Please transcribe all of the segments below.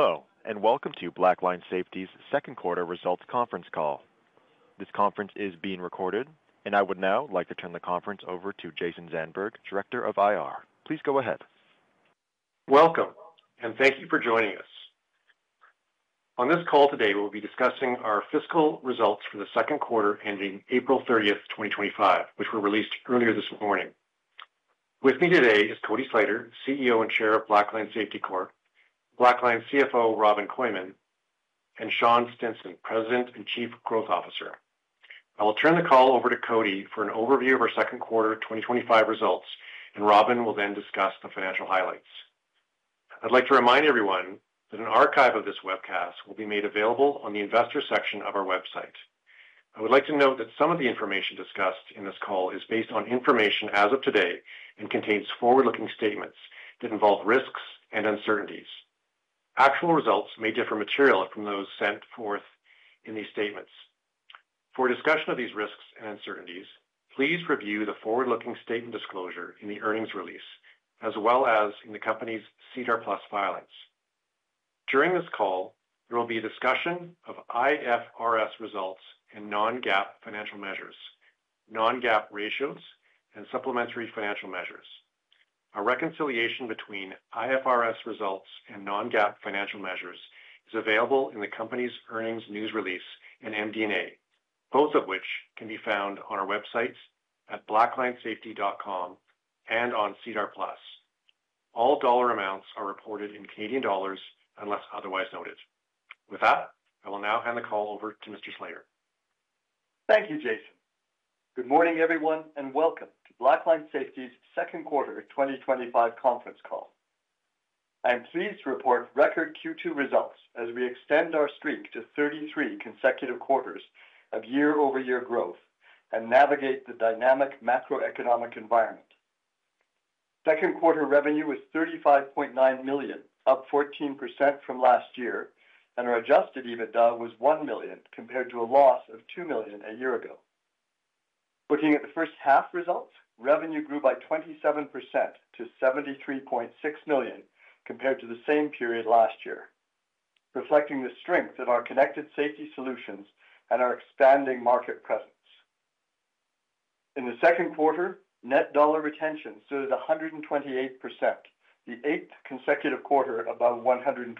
Hello, and welcome to Blackline Safety's Second Quarter Results Conference Call. This conference is being recorded, and I would now like to turn the conference over to Jason Zandberg, Director of IR. Please go ahead. Welcome, and thank you for joining us. On this call today, we'll be discussing our fiscal results for the second quarter ending April 30th, 2025, which were released earlier this morning. With me today is Cody Slater, CEO and Chair of Blackline Safety Corp, Blackline CFO Robin Kooyman, and Sean Stinson, President and Chief Growth Officer. I will turn the call over to Cody for an overview of our second quarter 2025 results, and Robin will then discuss the financial highlights. I'd like to remind everyone that an archive of this webcast will be made available on the investor section of our website. I would like to note that some of the information discussed in this call is based on information as of today and contains forward-looking statements that involve risks and uncertainties. Actual results may differ materially from those set forth in these statements. For discussion of these risks and uncertainties, please review the forward-looking statement disclosure in the earnings release as well as in the company's SEDAR+ filings. During this call, there will be a discussion of IFRS results and non-GAAP financial measures, non-GAAP ratios, and supplementary financial measures. A reconciliation between IFRS results and non-GAAP financial measures is available in the company's earnings news release and MD&A, both of which can be found on our website at blacklinesafety.com and on SEDAR+. All dollar amounts are reported in CAD unless otherwise noted. With that, I will now hand the call over to Mr. Slater. Thank you, Jason. Good morning, everyone, and welcome to Blackline Safety's Second Quarter 2025 Conference Call. I am pleased to report record Q2 results as we extend our streak to 33 consecutive quarters of year-over-year growth and navigate the dynamic macroeconomic environment. Second quarter revenue was 35.9 million, up 14% from last year, and our adjusted EBITDA was 1 million compared to a loss of 2 million a year ago. Looking at the first half results, revenue grew by 27% to 73.6 million compared to the same period last year, reflecting the strength of our connected safety solutions and our expanding market presence. In the second quarter, net dollar retention stood at 128%, the eighth consecutive quarter above 125%.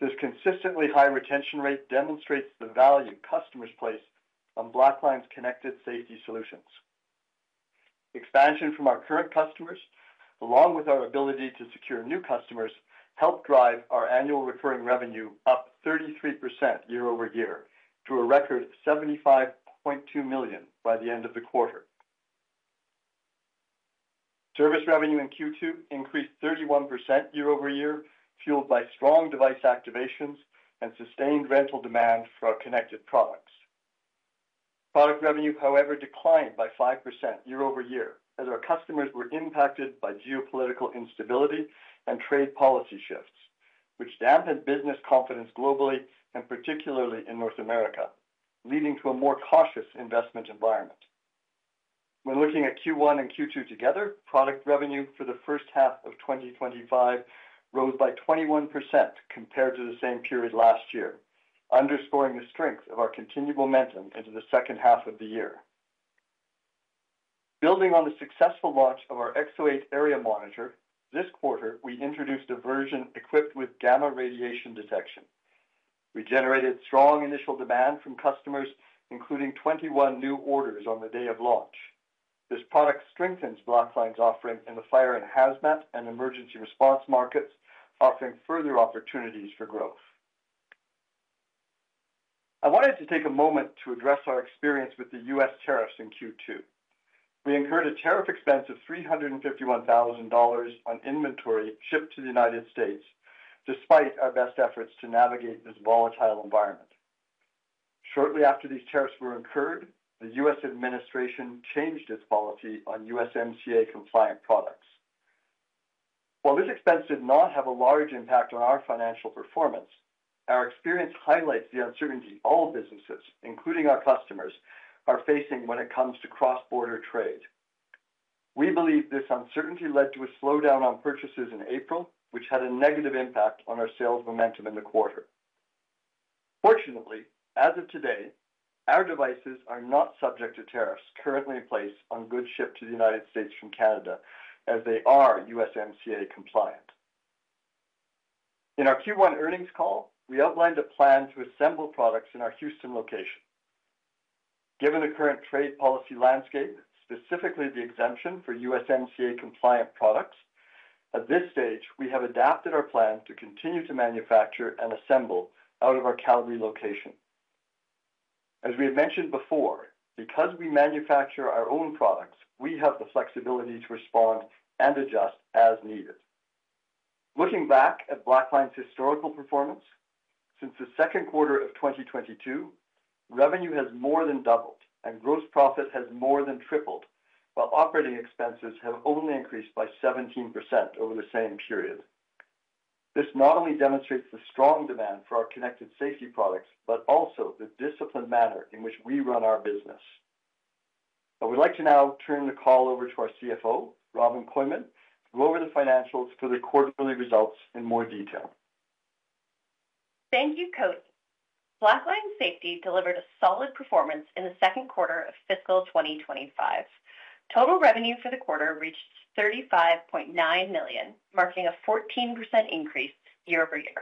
This consistently high retention rate demonstrates the value customers place on Blackline's connected safety solutions. Expansion from our current customers, along with our ability to secure new customers, helped drive our annual recurring revenue up 33% year-over-year to a record 75.2 million by the end of the quarter. Service revenue in Q2 increased 31% year-over-year, fueled by strong device activations and sustained rental demand for our connected products. Product revenue, however, declined by 5% year-over-year as our customers were impacted by geopolitical instability and trade policy shifts, which dampened business confidence globally and particularly in North America, leading to a more cautious investment environment. When looking at Q1 and Q2 together, product revenue for the first half of 2025 rose by 21% compared to the same period last year, underscoring the strength of our continued momentum into the second half of the year. Building on the successful launch of our EXO 8 area monitor, this quarter we introduced a version equipped with gamma radiation detection. We generated strong initial demand from customers, including 21 new orders on the day of launch. This product strengthens Blackline's offering in the fire and hazmat and emergency response markets, offering further opportunities for growth. I wanted to take a moment to address our experience with the U.S. tariffs in Q2. We incurred a tariff expense of $351,000 on inventory shipped to the United States, despite our best efforts to navigate this volatile environment. Shortly after these tariffs were incurred, the U.S. administration changed its policy on USMCA-compliant products. While this expense did not have a large impact on our financial performance, our experience highlights the uncertainty all businesses, including our customers, are facing when it comes to cross-border trade. We believe this uncertainty led to a slowdown on purchases in April, which had a negative impact on our sales momentum in the quarter. Fortunately, as of today, our devices are not subject to tariffs currently in place on goods shipped to the United States from Canada, as they are USMCA-compliant. In our Q1 earnings call, we outlined a plan to assemble products in our Houston location. Given the current trade policy landscape, specifically the exemption for USMCA-compliant products, at this stage, we have adapted our plan to continue to manufacture and assemble out of our Calgary location. As we had mentioned before, because we manufacture our own products, we have the flexibility to respond and adjust as needed. Looking back at Blackline's historical performance, since the second quarter of 2022, revenue has more than doubled, and gross profit has more than tripled, while operating expenses have only increased by 17% over the same period. This not only demonstrates the strong demand for our connected safety products, but also the disciplined manner in which we run our business. I would like to now turn the call over to our CFO, Robin Kooyman, to go over the financials for the quarterly results in more detail. Thank you, Cody. Blackline Safety delivered a solid performance in the second quarter of fiscal 2025. Total revenue for the quarter reached 35.9 million, marking a 14% increase year-over-year.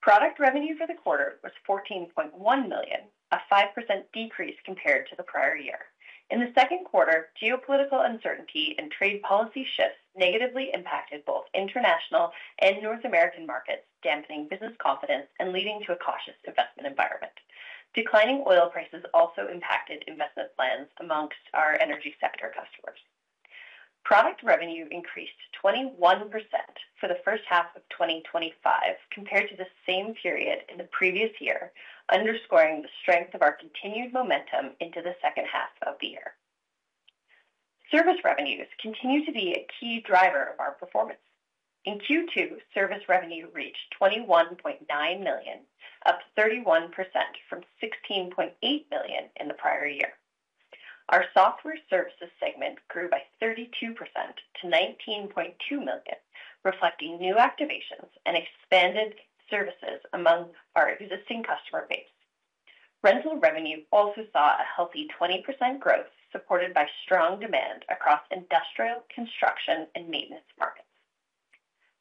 Product revenue for the quarter was 14.1 million, a 5% decrease compared to the prior year. In the second quarter, geopolitical uncertainty and trade policy shifts negatively impacted both international and North American markets, dampening business confidence and leading to a cautious investment environment. Declining oil prices also impacted investment plans amongst our energy sector customers. Product revenue increased 21% for the first half of 2025 compared to the same period in the previous year, underscoring the strength of our continued momentum into the second half of the year. Service revenues continue to be a key driver of our performance. In Q2, service revenue reached 21.9 million, up 31% from 16.8 million in the prior year. Our software services segment grew by 32% to 19.2 million, reflecting new activations and expanded services among our existing customer base. Rental revenue also saw a healthy 20% growth, supported by strong demand across industrial, construction, and maintenance markets.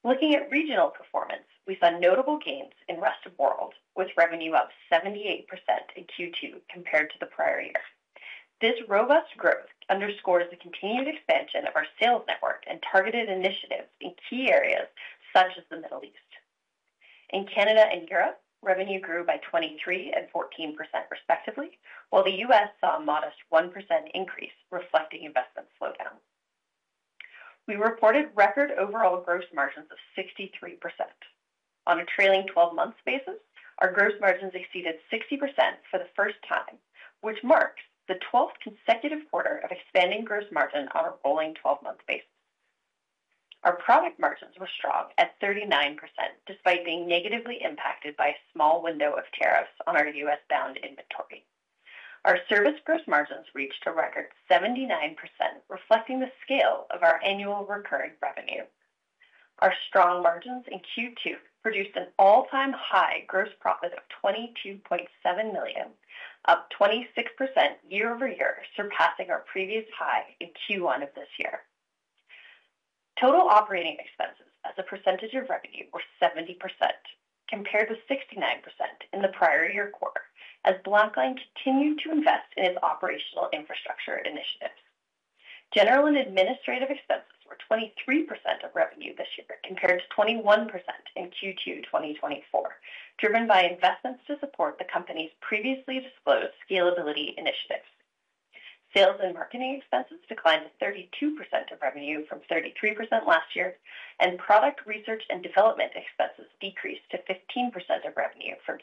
Looking at regional performance, we saw notable gains in the rest of the world, with revenue up 78% in Q2 compared to the prior year. This robust growth underscores the continued expansion of our sales network and targeted initiatives in key areas such as the Middle East. In Canada and Europe, revenue grew by 23% and 14% respectively, while the U.S. saw a modest 1% increase, reflecting investment slowdown. We reported record overall gross margins of 63%. On a trailing 12-month basis, our gross margins exceeded 60% for the first time, which marks the 12th consecutive quarter of expanding gross margin on a rolling 12-month basis. Our product margins were strong at 39%, despite being negatively impacted by a small window of tariffs on our U.S.-bound inventory. Our service gross margins reached a record 79%, reflecting the scale of our annual recurring revenue. Our strong margins in Q2 produced an all-time high gross profit of 22.7 million, up 26% year-over-year, surpassing our previous high in Q1 of this year. Total operating expenses, as a percentage of revenue, were 70%, compared with 69% in the prior year quarter, as Blackline continued to invest in its operational infrastructure initiatives. General and administrative expenses were 23% of revenue this year, compared to 21% in Q2 2024, driven by investments to support the company's previously disclosed scalability initiatives. Sales and marketing expenses declined to 32% of revenue from 33% last year, and product research and development expenses decreased to 15% of revenue from 16%.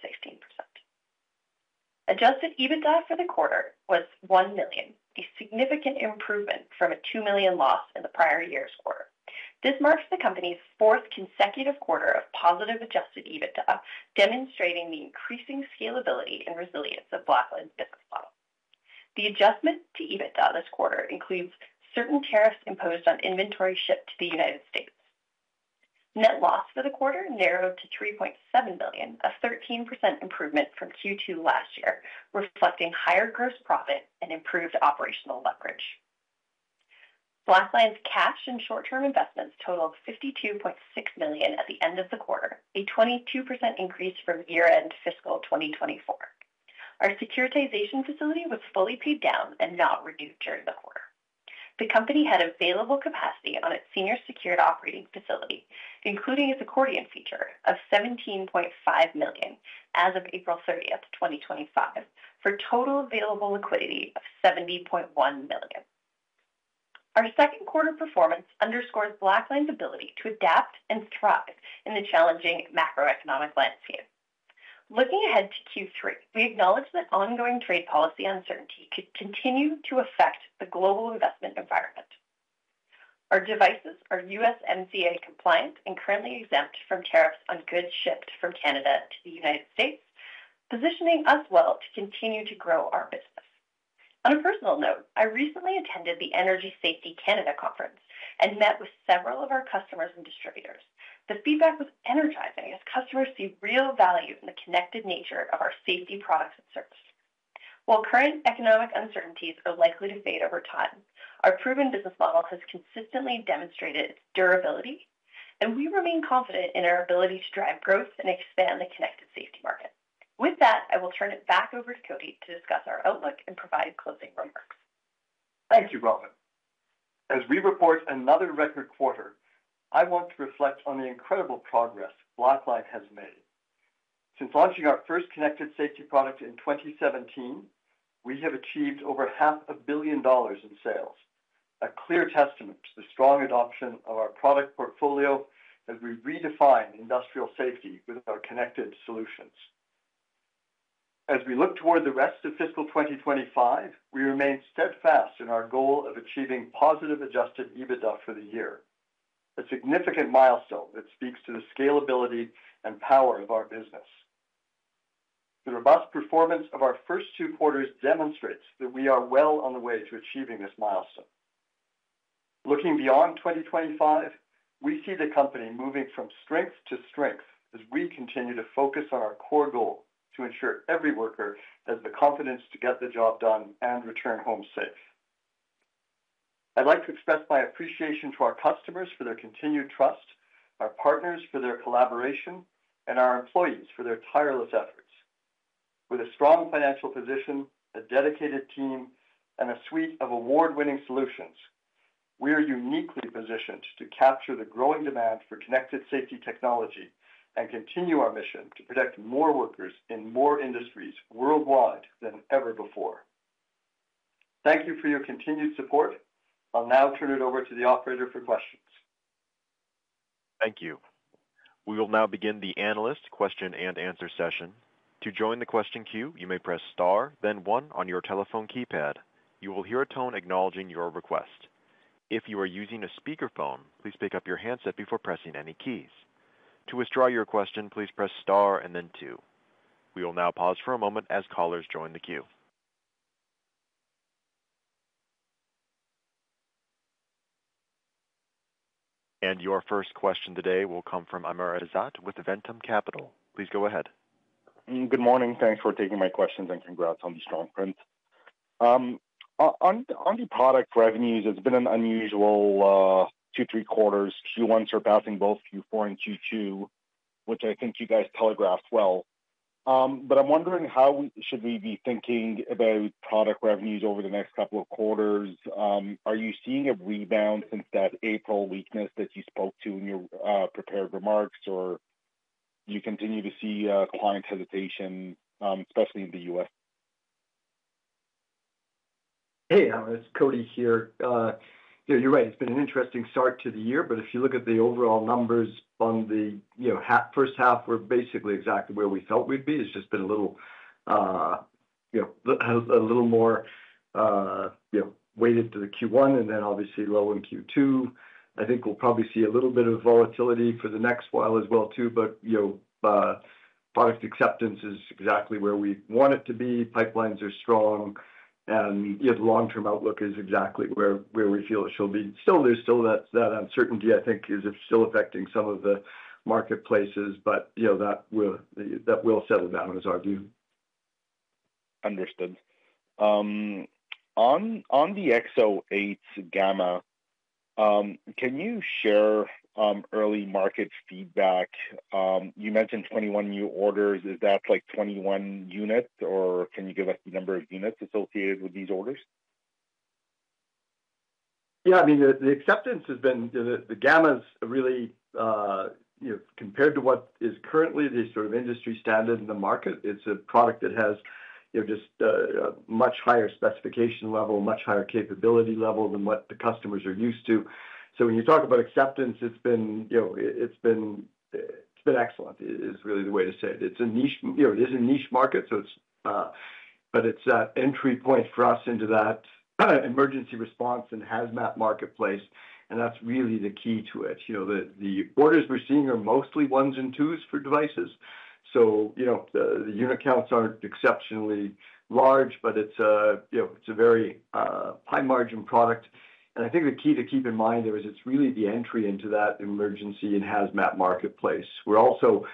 Adjusted EBITDA for the quarter was 1 million, a significant improvement from a 2 million loss in the prior year's quarter. This marks the company's fourth consecutive quarter of positive adjusted EBITDA, demonstrating the increasing scalability and resilience of Blackline's business model. The adjustment to EBITDA this quarter includes certain tariffs imposed on inventory shipped to the United States. Net loss for the quarter narrowed to 3.7 million, a 13% improvement from Q2 last year, reflecting higher gross profit and improved operational leverage. Blackline's cash and short-term investments totaled 52.6 million at the end of the quarter, a 22% increase from year-end fiscal 2024. Our securitization facility was fully paid down and not renewed during the quarter. The company had available capacity on its senior secured operating facility, including its accordion feature of 17.5 million as of April 30th, 2025, for total available liquidity of 70.1 million. Our second quarter performance underscores Blackline's ability to adapt and thrive in the challenging macroeconomic landscape. Looking ahead to Q3, we acknowledge that ongoing trade policy uncertainty could continue to affect the global investment environment. Our devices are USMCA-compliant and currently exempt from tariffs on goods shipped from Canada to the United States, positioning us well to continue to grow our business. On a personal note, I recently attended the Energy Safety Canada Conference and met with several of our customers and distributors. The feedback was energizing as customers see real value in the connected nature of our safety products and services. While current economic uncertainties are likely to fade over time, our proven business model has consistently demonstrated its durability, and we remain confident in our ability to drive growth and expand the connected safety market. With that, I will turn it back over to Cody to discuss our outlook and provide closing remarks. Thank you, Robin. As we report another record quarter, I want to reflect on the incredible progress Blackline has made. Since launching our first connected safety product in 2017, we have achieved over 500,000,000 dollars in sales, a clear testament to the strong adoption of our product portfolio as we redefine industrial safety with our connected solutions. As we look toward the rest of fiscal 2025, we remain steadfast in our goal of achieving positive adjusted EBITDA for the year, a significant milestone that speaks to the scalability and power of our business. The robust performance of our first two quarters demonstrates that we are well on the way to achieving this milestone. Looking beyond 2025, we see the company moving from strength to strength as we continue to focus on our core goal to ensure every worker has the confidence to get the job done and return home safe. I'd like to express my appreciation to our customers for their continued trust, our partners for their collaboration, and our employees for their tireless efforts. With a strong financial position, a dedicated team, and a suite of award-winning solutions, we are uniquely positioned to capture the growing demand for connected safety technology and continue our mission to protect more workers in more industries worldwide than ever before. Thank you for your continued support. I'll now turn it over to the operator for questions. Thank you. We will now begin the analyst question and answer session. To join the question queue, you may press star, then one on your telephone keypad. You will hear a tone acknowledging your request. If you are using a speakerphone, please pick up your handset before pressing any keys. To withdraw your question, please press star and then two. We will now pause for a moment as callers join the queue. Your first question today will come from Amr Ezzat with Ventum Capital. Please go ahead. Good morning. Thanks for taking my questions and congrats on the strong print. On the product revenues, it's been an unusual two to three quarters, Q1 surpassing both Q4 and Q2, which I think you guys telegraphed well. I'm wondering how should we be thinking about product revenues over the next couple of quarters? Are you seeing a rebound since that April weakness that you spoke to in your prepared remarks, or do you continue to see client hesitation, especially in the U.S.? Hey, Alex, Cody here. You're right. It's been an interesting start to the year, but if you look at the overall numbers on the first half, we're basically exactly where we thought we'd be. It's just been a little more weighted to the Q1 and then obviously low in Q2. I think we'll probably see a little bit of volatility for the next while as well too, but product acceptance is exactly where we want it to be. Pipelines are strong, and the long-term outlook is exactly where we feel it should be. Still, there's still that uncertainty, I think, is still affecting some of the marketplaces, but that will settle down, is our view. Understood. On the EXO 8 Gamma, can you share early market feedback? You mentioned 21 new orders. Is that like 21 units, or can you give us the number of units associated with these orders? Yeah, I mean, the acceptance has been the Gamma's really, compared to what is currently the sort of industry standard in the market, it's a product that has just a much higher specification level, much higher capability level than what the customers are used to. When you talk about acceptance, it's been excellent, is really the way to say it. It's a niche market, but it's that entry point for us into that emergency response and hazmat marketplace, and that's really the key to it. The orders we're seeing are mostly ones and twos for devices. The unit counts aren't exceptionally large, but it's a very high-margin product. I think the key to keep in mind there is it's really the entry into that emergency and hazmat marketplace. We're also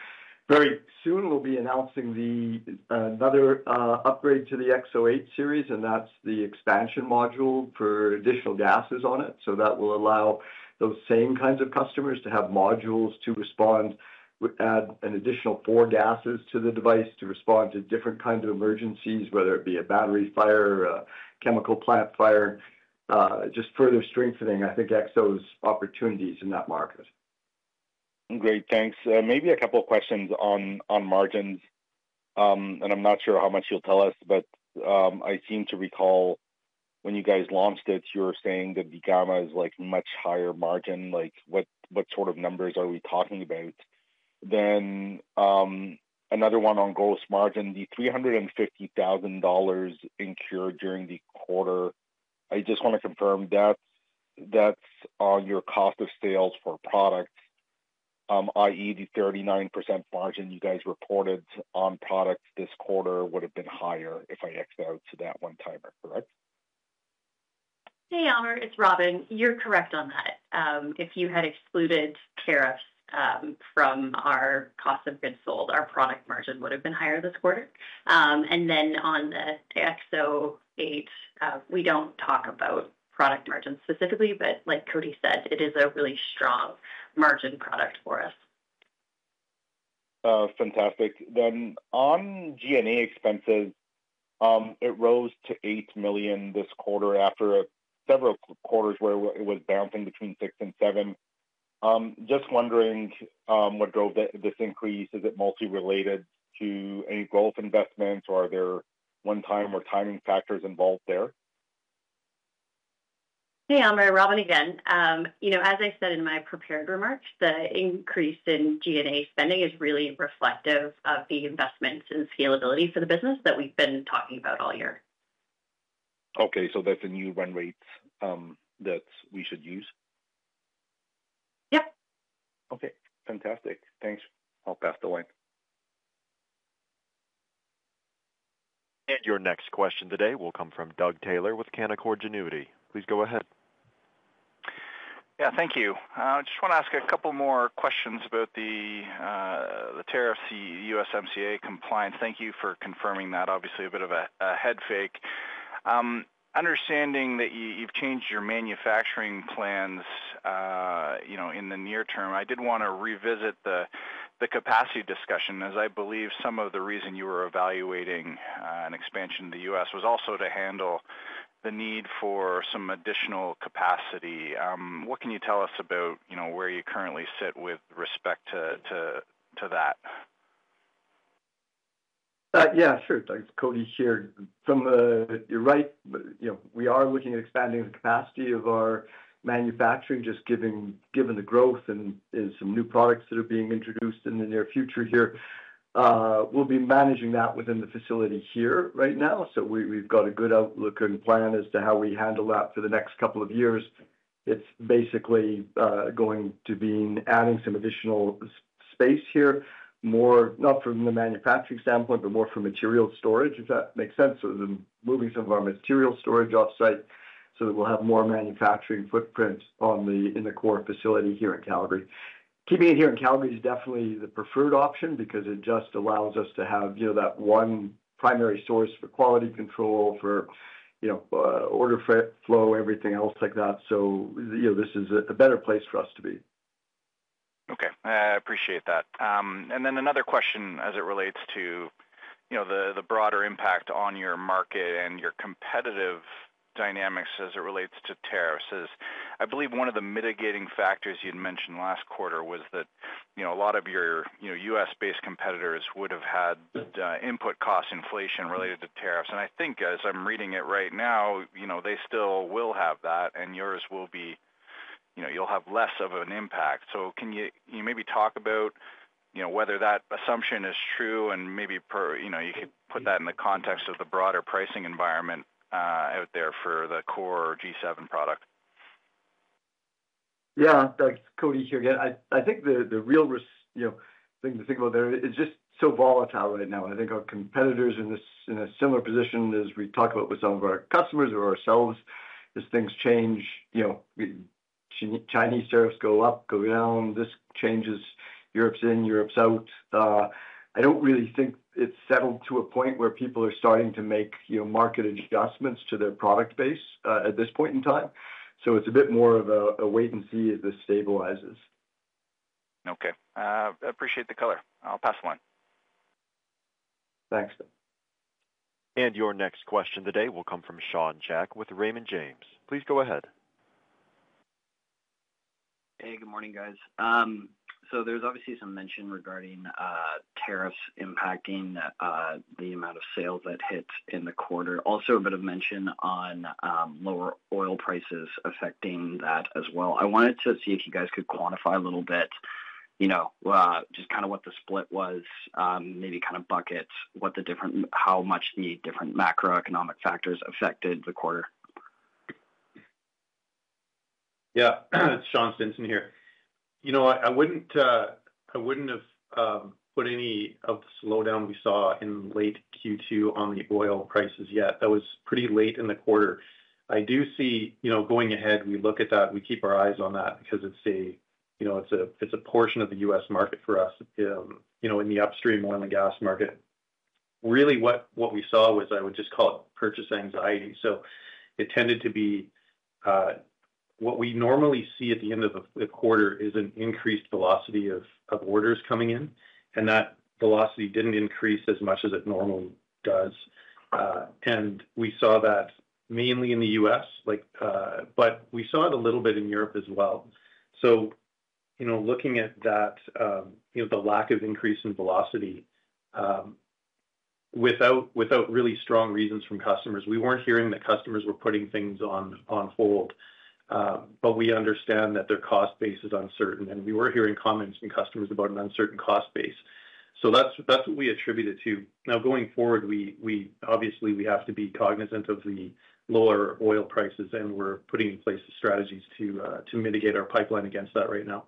very soon will be announcing another upgrade to the EXO 8 series, and that's the expansion module for additional gases on it. So that will allow those same kinds of customers to have modules to respond, add an additional four gases to the device to respond to different kinds of emergencies, whether it be a battery fire, a chemical plant fire, just further strengthening, I think, EXO's opportunities in that market. Great. Thanks. Maybe a couple of questions on margins. I'm not sure how much you'll tell us, but I seem to recall when you guys launched it, you were saying that the Gamma is like much higher margin. Like what sort of numbers are we talking about? Another one on gross margin, the 350,000 dollars incurred during the quarter. I just want to confirm that's on your cost of sales for products, i.e., the 39% margin you guys reported on products this quarter would have been higher if I X out that one timer, correct? Hey, Amr, it's Robin. You're correct on that. If you had excluded tariffs from our cost of goods sold, our product margin would have been higher this quarter. On the EXO 8, we do not talk about product margin specifically, but like Cody said, it is a really strong margin product for us. Fantastic. Then on G&A expenses, it rose to 8 million this quarter after several quarters where it was bouncing between 6 million and 7 million. Just wondering what drove this increase. Is it multi-related to any growth investments, or are there one-time or timing factors involved there? Hey, Amr, Robin again. As I said in my prepared remarks, the increase in G&A spending is really reflective of the investments and scalability for the business that we've been talking about all year. Okay. So that's a new run rate that we should use? Yep. Okay. Fantastic. Thanks. I'll pass the line. Your next question today will come from Doug Taylor with Canaccord Genuity. Please go ahead. Yeah, thank you. I just want to ask a couple more questions about the tariffs, the USMCA compliance. Thank you for confirming that. Obviously, a bit of a head fake. Understanding that you've changed your manufacturing plans in the near term, I did want to revisit the capacity discussion, as I believe some of the reason you were evaluating an expansion to the U.S. was also to handle the need for some additional capacity. What can you tell us about where you currently sit with respect to that? Yeah, sure. Thanks, Cody here. From your right, we are looking at expanding the capacity of our manufacturing, just given the growth and some new products that are being introduced in the near future here. We'll be managing that within the facility here right now. We have a good outlook and plan as to how we handle that for the next couple of years. It's basically going to be adding some additional space here, not from the manufacturing standpoint, but more from material storage, if that makes sense, moving some of our material storage off-site so that we'll have more manufacturing footprint in the core facility here in Calgary. Keeping it here in Calgary is definitely the preferred option because it just allows us to have that one primary source for quality control, for order flow, everything else like that. This is a better place for us to be. Okay. I appreciate that. Another question as it relates to the broader impact on your market and your competitive dynamics as it relates to tariffs is, I believe one of the mitigating factors you mentioned last quarter was that a lot of your U.S.-based competitors would have had input cost inflation related to tariffs. I think as I am reading it right now, they still will have that, and yours will be, you will have less of an impact. Can you maybe talk about whether that assumption is true? Maybe you could put that in the context of the broader pricing environment out there for the core G7 product. Yeah, thanks, Cody here. Yeah, I think the real thing to think about there is just so volatile right now. I think our competitors are in a similar position as we talk about with some of our customers or ourselves. As things change, Chinese tariffs go up, go down. This changes, Europe's in, Europe's out. I don't really think it's settled to a point where people are starting to make market adjustments to their product base at this point in time. It's a bit more of a wait and see as this stabilizes. Okay. I appreciate the color. I'll pass the line. Thanks. Your next question today will come from Sean Jack with Raymond James. Please go ahead. Hey, good morning, guys. There's obviously some mention regarding tariffs impacting the amount of sales that hit in the quarter. Also a bit of mention on lower oil prices affecting that as well. I wanted to see if you guys could quantify a little bit just kind of what the split was, maybe kind of buckets what the different, how much the different macroeconomic factors affected the quarter. Yeah. It's Sean Stinson here. You know what? I wouldn't have put any of the slowdown we saw in late Q2 on the oil prices yet. That was pretty late in the quarter. I do see going ahead, we look at that, we keep our eyes on that because it's a portion of the U.S. market for us in the upstream oil and gas market. Really, what we saw was I would just call it purchase anxiety. It tended to be what we normally see at the end of the quarter is an increased velocity of orders coming in. That velocity didn't increase as much as it normally does. We saw that mainly in the U.S., but we saw it a little bit in Europe as well. Looking at that, the lack of increase in velocity without really strong reasons from customers, we were not hearing that customers were putting things on hold. We understand that their cost base is uncertain, and we were hearing comments from customers about an uncertain cost base. That is what we attributed it to. Now, going forward, obviously, we have to be cognizant of the lower oil prices, and we are putting in place strategies to mitigate our pipeline against that right now.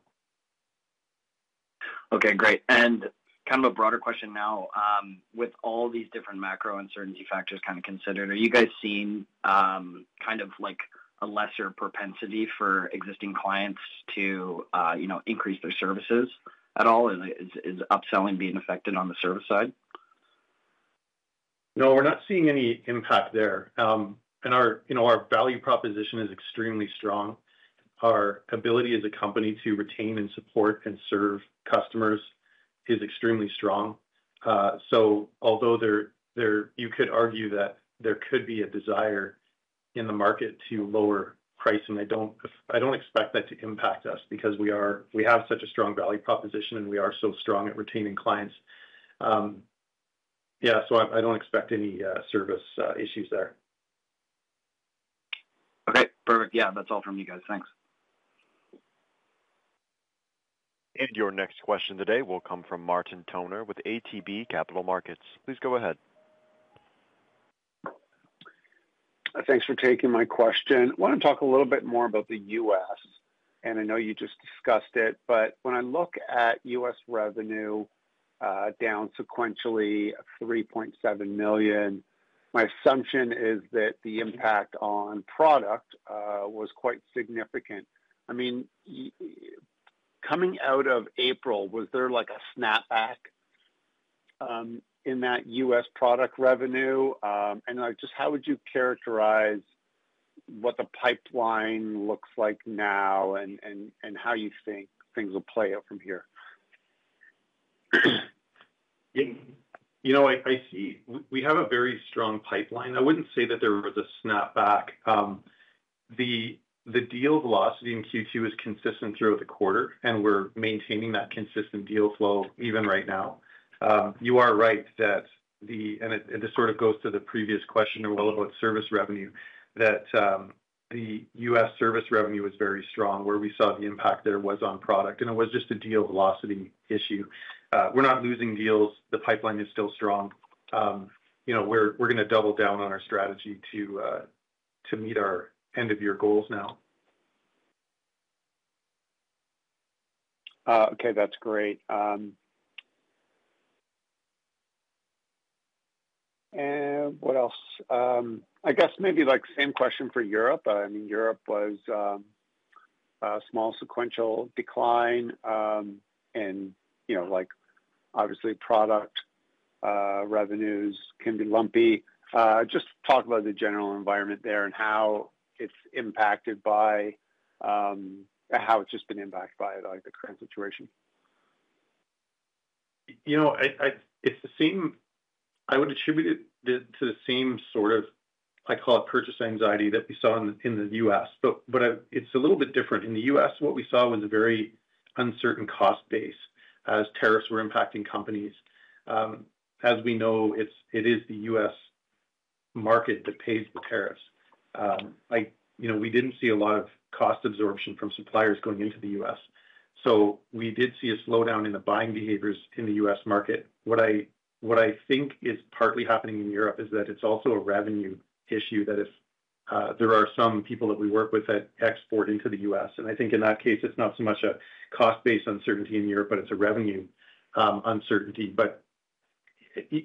Okay. Great. Kind of a broader question now. With all these different macro uncertainty factors kind of considered, are you guys seeing kind of like a lesser propensity for existing clients to increase their services at all? Is upselling being affected on the service side? No, we're not seeing any impact there. Our value proposition is extremely strong. Our ability as a company to retain and support and serve customers is extremely strong. Although you could argue that there could be a desire in the market to lower pricing, I don't expect that to impact us because we have such a strong value proposition, and we are so strong at retaining clients. I don't expect any service issues there. Okay. Perfect. Yeah, that's all from you guys. Thanks. Your next question today will come from Martin Toner with ATB Capital Markets. Please go ahead. Thanks for taking my question. I want to talk a little bit more about the U.S. I know you just discussed it, but when I look at U.S. revenue down sequentially 3.7 million, my assumption is that the impact on product was quite significant. I mean, coming out of April, was there like a snapback in that U.S. product revenue? Just how would you characterize what the pipeline looks like now and how you think things will play out from here? You know what? I see. We have a very strong pipeline. I would not say that there was a snapback. The deal velocity in Q2 is consistent throughout the quarter, and we are maintaining that consistent deal flow even right now. You are right that the—and this sort of goes to the previous question a little about service revenue—that the U.S. service revenue was very strong, where we saw the impact there was on product. It was just a deal velocity issue. We are not losing deals. The pipeline is still strong. We are going to double down on our strategy to meet our end-of-year goals now. Okay. That's great. What else? I guess maybe same question for Europe. I mean, Europe was a small sequential decline. I mean, product revenues can be lumpy. Just talk about the general environment there and how it's impacted by how it's just been impacted by the current situation. It's the same—I would attribute it to the same sort of, I call it, purchase anxiety that we saw in the U.S. but it's a little bit different. In the U.S., what we saw was a very uncertain cost base as tariffs were impacting companies. As we know, it is the U.S. market that pays the tariffs. We didn't see a lot of cost absorption from suppliers going into the U.S. So we did see a slowdown in the buying behaviors in the U.S. market. What I think is partly happening in Europe is that it's also a revenue issue that there are some people that we work with that export into the U.S. I think in that case, it's not so much a cost-based uncertainty in Europe, but it's a revenue uncertainty.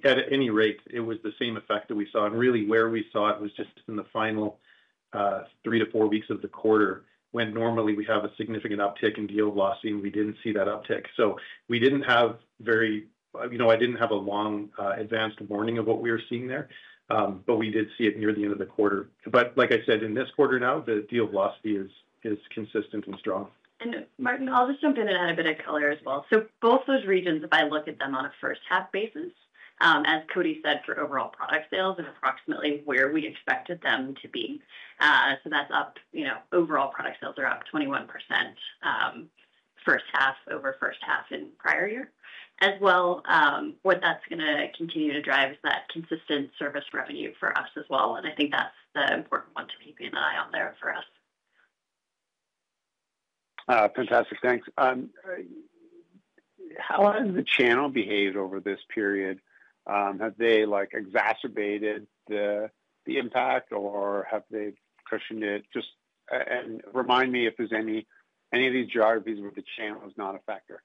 At any rate, it was the same effect that we saw. Really, where we saw it was just in the final three to four weeks of the quarter when normally we have a significant uptick in deal velocity, and we did not see that uptick. We did not have very—I did not have a long advanced warning of what we were seeing there, but we did see it near the end of the quarter. Like I said, in this quarter now, the deal velocity is consistent and strong. Martin, I'll just jump in and add a bit of color as well. Both those regions, if I look at them on a first-half basis, as Cody said, for overall product sales and approximately where we expected them to be. Overall product sales are up 21% first half over first half in prior year. What that's going to continue to drive is that consistent service revenue for us as well. I think that's the important one to keep an eye on there for us. Fantastic. Thanks. How has the channel behaved over this period? Have they exacerbated the impact, or have they cushioned it? Just remind me if there's any of these geographies where the channel is not a factor.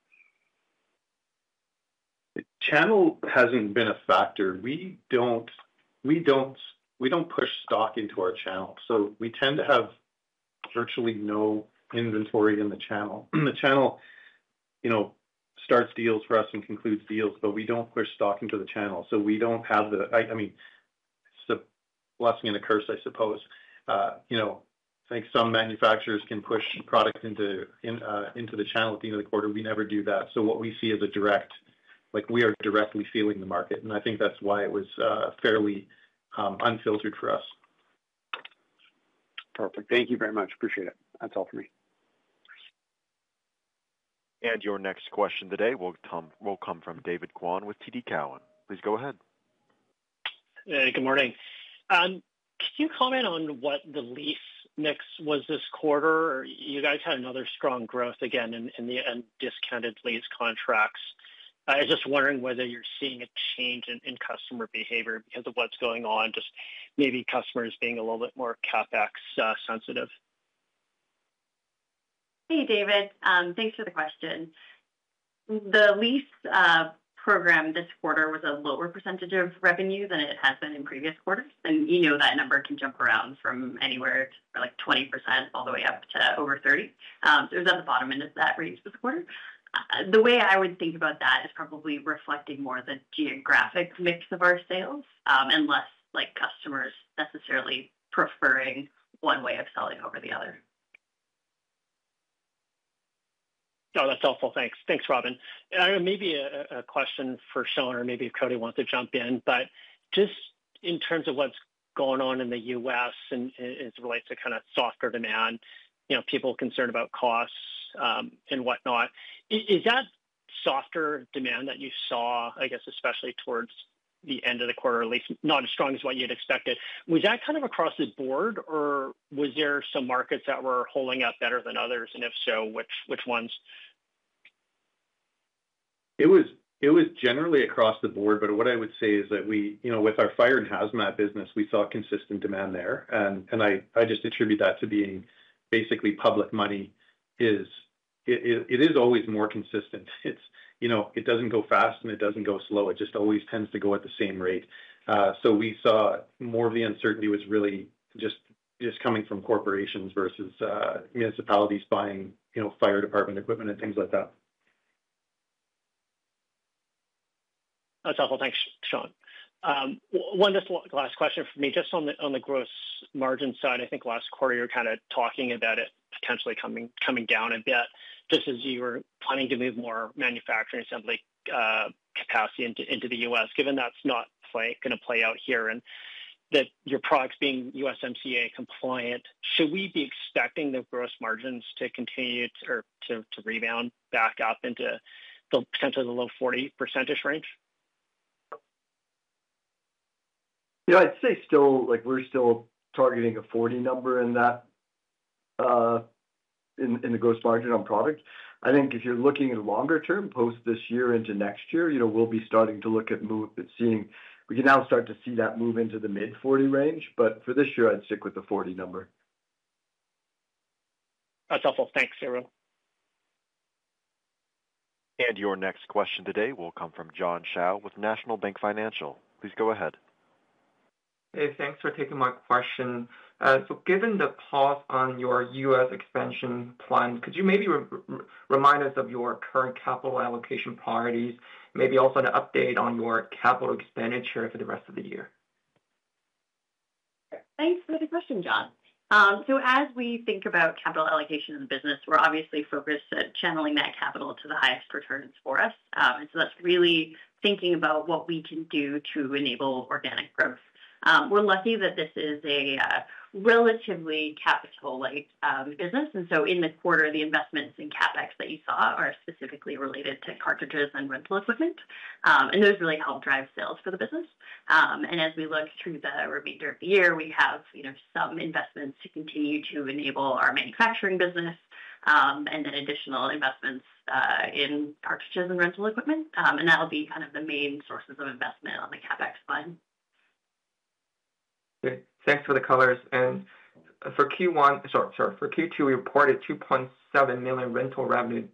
The channel hasn't been a factor. We don't push stock into our channel. We tend to have virtually no inventory in the channel. The channel starts deals for us and concludes deals, but we don't push stock into the channel. We don't have the—I mean, it's a blessing and a curse, I suppose. I think some manufacturers can push product into the channel at the end of the quarter. We never do that. What we see is a direct—we are directly feeling the market. I think that's why it was fairly unfiltered for us. Perfect. Thank you very much. Appreciate it. That's all for me. Your next question today will come from David Kwan with TD Cowen. Please go ahead. Hey, good morning. Can you comment on what the lease mix was this quarter? You guys had another strong growth again in the discounted lease contracts. I was just wondering whether you're seeing a change in customer behavior because of what's going on, just maybe customers being a little bit more CapEx sensitive. Hey, David. Thanks for the question. The lease program this quarter was a lower percentage of revenue than it has been in previous quarters. You know that number can jump around from anywhere like 20% all the way up to over 30%. It was at the bottom end of that range this quarter. The way I would think about that is probably reflecting more of the geographic mix of our sales and less customers necessarily preferring one way of selling over the other. No, that's helpful. Thanks. Thanks, Robin. Maybe a question for Sean or maybe if Cody wants to jump in, but just in terms of what's going on in the U.S. as it relates to kind of softer demand, people concerned about costs and whatnot. Is that softer demand that you saw, I guess, especially towards the end of the quarter, at least not as strong as what you'd expected? Was that kind of across the board, or was there some markets that were holding up better than others? If so, which ones? It was generally across the board. What I would say is that with our fire and hazmat business, we saw consistent demand there. I just attribute that to being basically public money. It is always more consistent. It does not go fast, and it does not go slow. It just always tends to go at the same rate. We saw more of the uncertainty was really just coming from corporations versus municipalities buying fire department equipment and things like that. That's helpful. Thanks, Sean. One last question for me. Just on the gross margin side, I think last quarter you were kind of talking about it potentially coming down a bit just as you were planning to move more manufacturing assembly capacity into the U.S., given that's not going to play out here and that your products being USMCA compliant. Should we be expecting the gross margins to continue to rebound back up into potentially the low 40% range? Yeah, I'd say still we're still targeting a 40% number in the gross margin on product. I think if you're looking at a longer term post this year into next year, we'll be starting to look at moving and seeing we can now start to see that move into the mid-40% range. For this year, I'd stick with the 40% number. That's helpful. Thanks, Erin. Your next question today will come from John Chow with National Bank Financial. Please go ahead. Hey, thanks for taking my question. Given the pause on your U.S. expansion plan, could you maybe remind us of your current capital allocation priorities, maybe also an update on your capital expenditure for the rest of the year? Thanks for the question, John. As we think about capital allocation in the business, we're obviously focused at channeling that capital to the highest returns for us. That is really thinking about what we can do to enable organic growth. We're lucky that this is a relatively capital-light business. In the quarter, the investments in CapEx that you saw are specifically related to cartridges and rental equipment. Those really help drive sales for the business. As we look through the remainder of the year, we have some investments to continue to enable our manufacturing business and then additional investments in cartridges and rental equipment. That will be kind of the main sources of investment on the CapEx plan. Okay. Thanks for the colors. For Q1—sorry, for Q2, we reported 2.7 million rental revenue.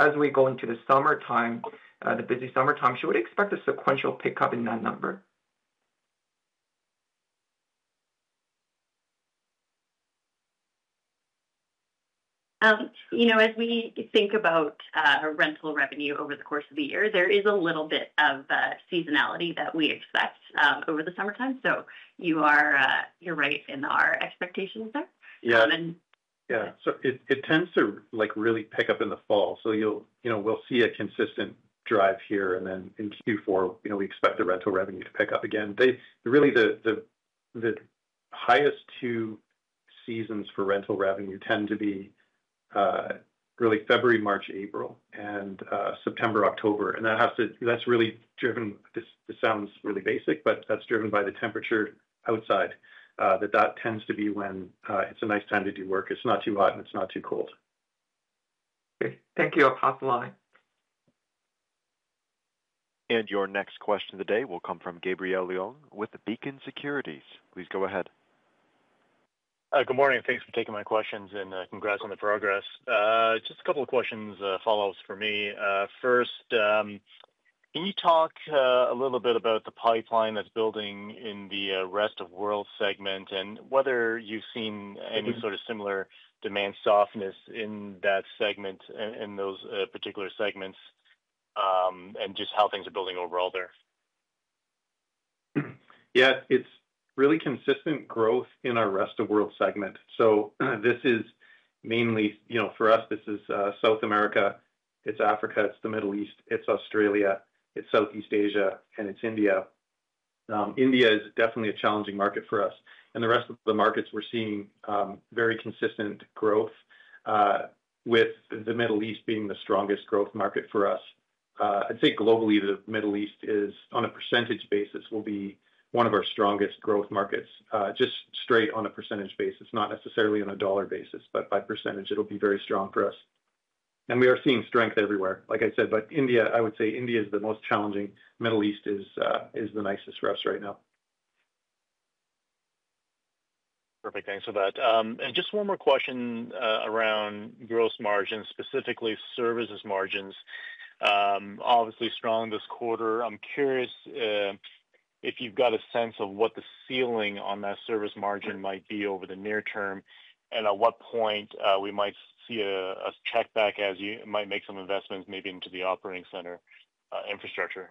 As we go into the summertime, the busy summertime, should we expect a sequential pickup in that number? As we think about rental revenue over the course of the year, there is a little bit of seasonality that we expect over the summertime. You're right in our expectations there. Yeah. It tends to really pick up in the fall. We will see a consistent drive here. In Q4, we expect the rental revenue to pick up again. Really, the highest two seasons for rental revenue tend to be February, March, April, and September, October. That is really driven—this sounds really basic, but that is driven by the temperature outside. That tends to be when it is a nice time to do work. It is not too hot, and it is not too cold. Okay. Thank you. I'll pass the line. Your next question of the day will come from Gabrielle Leung with Beacon Securities. Please go ahead. Good morning. Thanks for taking my questions, and congrats on the progress. Just a couple of questions follow up for me. First, can you talk a little bit about the pipeline that's building in the rest of world segment and whether you've seen any sort of similar demand softness in that segment, in those particular segments, and just how things are building overall there? Yeah. It's really consistent growth in our rest of world segment. This is mainly for us, this is South America. It's Africa. It's the Middle East. It's Australia. It's Southeast Asia, and it's India. India is definitely a challenging market for us. The rest of the markets, we're seeing very consistent growth, with the Middle East being the strongest growth market for us. I'd say globally, the Middle East, on a percentage basis, will be one of our strongest growth markets, just straight on a percentage basis, not necessarily on a dollar basis, but by percentage, it'll be very strong for us. We are seeing strength everywhere, like I said. India, I would say India is the most challenging. Middle East is the nicest for us right now. Perfect. Thanks for that. Just one more question around gross margins, specifically services margins. Obviously strong this quarter. I'm curious if you've got a sense of what the ceiling on that service margin might be over the near term and at what point we might see a checkback as you might make some investments maybe into the operating center infrastructure.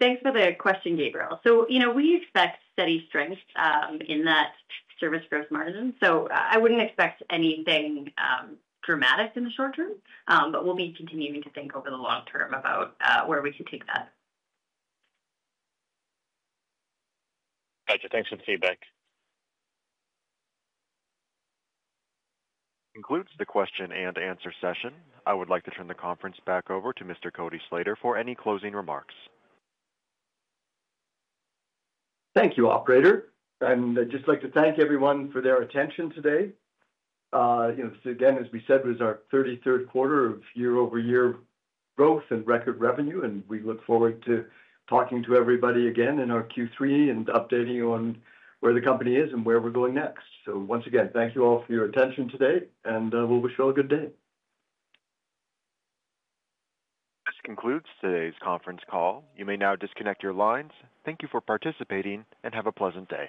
Thanks for the question, Gabriel. We expect steady strength in that service growth margin. I would not expect anything dramatic in the short term, but we will be continuing to think over the long term about where we can take that. Thanks for the feedback. Concludes the question and answer session. I would like to turn the conference back over to Mr. Cody Slater for any closing remarks. Thank you, Operator. I would just like to thank everyone for their attention today. As we said, it was our 33rd quarter of year-over-year growth and record revenue. We look forward to talking to everybody again in our Q3 and updating you on where the company is and where we are going next. Once again, thank you all for your attention today, and we wish you all a good day. This concludes today's conference call. You may now disconnect your lines. Thank you for participating and have a pleasant day.